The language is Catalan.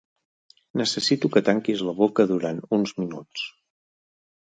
Necessito que tanquis la boca durant uns minuts.